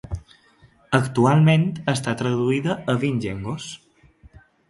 Actualment està traduïda a vint llengües.